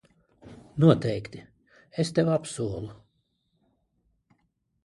Noteikti, es tev apsolu.